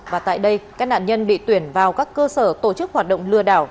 và tại đây các nạn nhân bị tuyển vào các cơ sở tổ chức hoạt động lừa đảo